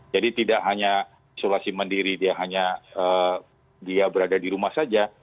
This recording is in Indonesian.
jadi tidak hanya isolasi mendiri dia hanya berada di rumah saja